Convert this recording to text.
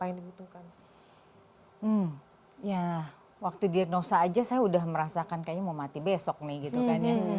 ya waktu diagnosa saja saya sudah merasakan kayaknya mau mati besok nih gitu kan ya